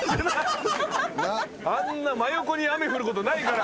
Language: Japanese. あんな真横に雨降ることないから。